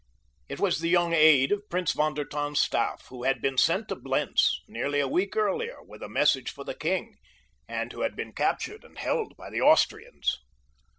It was the young aide of Prince von der Tann's staff, who had been sent to Blentz nearly a week earlier with a message for the king, and who had been captured and held by the Austrians.